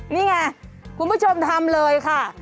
นี่ไงคุณผู้ชมทำเลยค่ะ